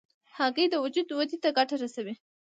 هګۍ د وجود ودې ته ګټه رسوي.